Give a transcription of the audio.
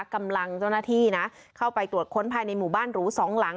กำลังเจ้าหน้าที่นะเข้าไปตรวจค้นภายในหมู่บ้านหรูสองหลัง